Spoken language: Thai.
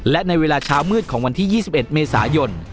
และในเวลาเช้ามืดของวันที่๒๑เมษายน